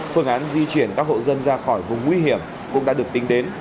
phương án di chuyển các hộ dân ra khỏi vùng nguy hiểm cũng đã được tính đến